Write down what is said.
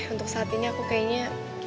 untuk saat ini aku kayaknya